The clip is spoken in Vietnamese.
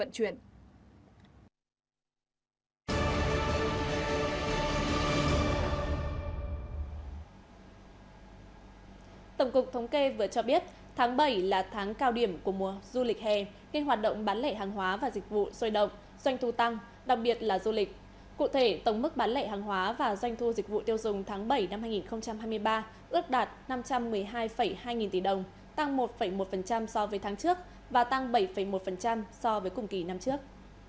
theo giá hiện hành tổng mức bán lẻ hàng hóa và doanh thu dịch vụ tiêu dùng bảy tháng năm hai nghìn hai mươi hai hai nghìn hai mươi ba đạt quy mô cao hơn nhưng tốc độ tăng thấp hơn cùng kỳ năm trước